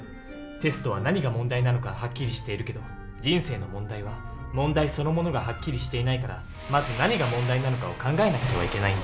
テストは何が問題なのかはっきりしているけど人生の問題は問題そのものがはっきりしていないからまず何が問題なのかを考えなくてはいけないんだ。